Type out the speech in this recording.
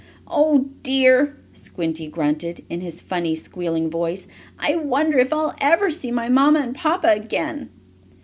"Oh dear!" Squinty grunted, in his funny, squealing voice. "I wonder if I'll ever see my mamma and papa again?"